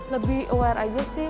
lebih aware aja sih